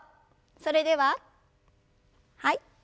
それでははい。